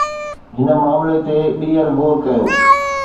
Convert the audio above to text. هن معاملي تي ٻيهر غور ڪيو